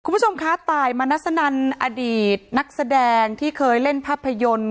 คุณผู้ชมคะตายมณัสนันอดีตนักแสดงที่เคยเล่นภาพยนตร์